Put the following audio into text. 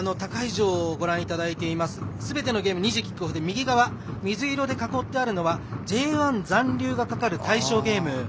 すべてのゲーム、２時キックオフ水色で囲ってあるのがＪ１残留がかかる対象ゲーム